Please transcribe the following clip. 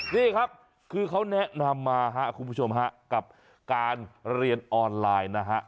นี่ครับคือเขาแนะนำมาคุณผู้ชมกับการเรียนออนไลน์